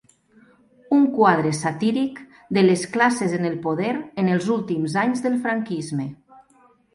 Un quadre satíric de les classes en el poder en els últims anys del franquisme.